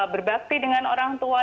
berbakti dengan orang tua